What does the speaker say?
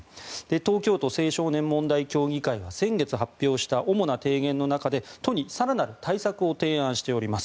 東京都青少年問題協議会は先月発表した主な提言の中で、都に更なる対策を提言しています。